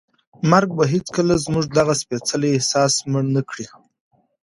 مرګ به هیڅکله زموږ دغه سپېڅلی احساس مړ نه کړي.